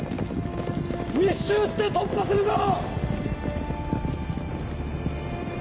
密集して突破するぞ！